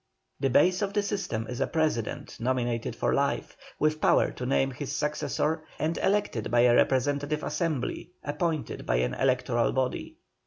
The base of the system is a President, nominated for life, with power to name his successor, and elected by a representative assembly, appointed by an electoral body.